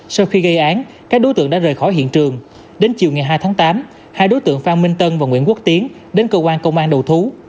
sau khi gây án các đối tượng đã rời khỏi hiện trường đến chiều ngày hai tháng tám hai đối tượng phan minh tân và nguyễn quốc tiến đến cơ quan công an đầu thú